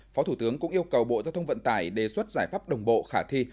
phó thủ tướng cũng yêu cầu bộ giao thông vận tải đề xuất giải pháp đồng bộ khả thi